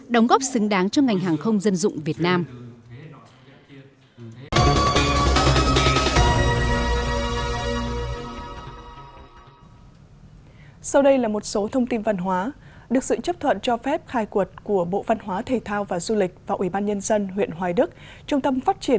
đóng góp xứng đáng cho ngành hàng không dân dụng việt nam